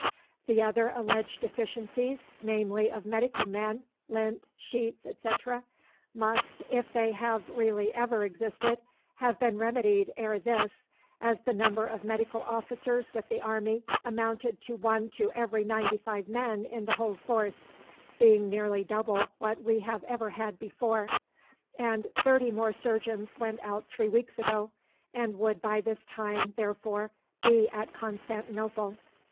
The other alleged deficiencies, namely of medical men, lint, sheets, etc., must, if they have really ever existed, have been remedied ere this, as the number of medical officers with the army amounted to one to every 95 men in the whole force, being nearly double what we have ever had before, and 30 more surgeons went out 3 weeks ago, and would by this time, therefore, be at Constantinople.